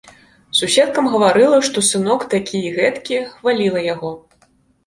Суседкам гаварыла, што сынок такі і гэткі, хваліла яго.